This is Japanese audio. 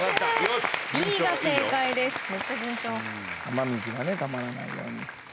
雨水がねたまらないように。